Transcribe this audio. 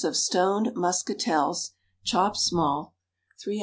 of stoned muscatels, chopped small, 3 oz.